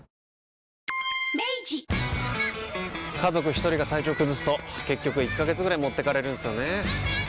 家族一人が体調崩すと結局１ヶ月ぐらい持ってかれるんすよねー。